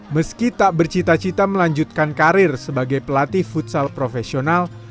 meski tak bercita cita melanjutkan karir sebagai pelatih futsal profesional